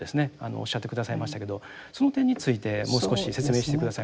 おっしゃって下さいましたけどその点についてもう少し説明して下さいますか。